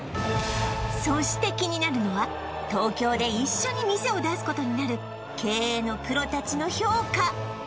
そして気になるのは東京で一緒に店を出すことになる経営のプロ達の評価